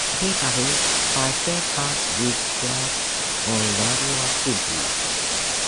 He published five papers with Bragg on radioactivity.